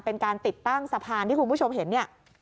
เป็นการติดตั้งสะพานที่คุณผู้ชมเห็นเนี่ย